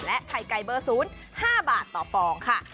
และไข่ไก่เบอร์ศูนย์๕บาทต่อฟองค่ะ